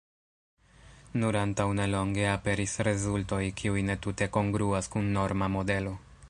Nur antaŭnelonge aperis rezultoj kiuj ne tute kongruas kun norma modelo.